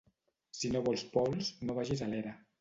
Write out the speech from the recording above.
Si no vols pols, no vagis a l'era.